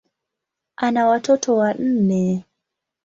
Ana watoto wanne.